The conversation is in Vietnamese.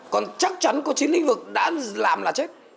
còn chắc chắn có chín lĩnh vực đã làm là chết